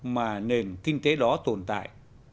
mà nền kinh tế đó tồn tại